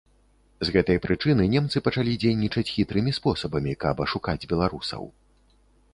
З гэтай прычыны немцы пачалі дзейнічаць хітрымі спосабамі, каб ашукаць беларусаў.